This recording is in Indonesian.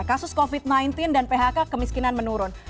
kasus covid sembilan belas dan phk kemiskinan menurun